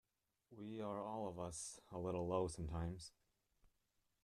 We are all of us a little low sometimes.